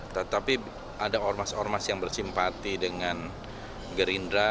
tetapi ada ormas ormas yang bersimpati dengan gerindra